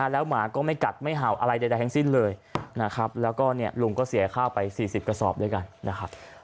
แล้วหมาก็ไม่กัดไม่เห่าอะไรใดทั้งสิ้นเลยนะครับแล้วก็ลุงก็เสียข้าวไป๔๐กระสอบด้วยกันนะครับ